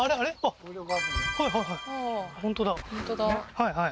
はい